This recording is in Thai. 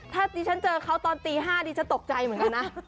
ถ้าที่ฉันเจอเขาตอนตี๕สังหรภาษีฉันตกใจเหมือนกันนะ